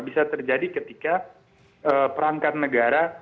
bisa terjadi ketika perangkat negara